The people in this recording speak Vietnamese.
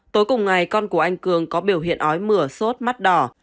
tối cùng ngày con của anh cường có biểu hiện ói mửa sốt mắt đỏ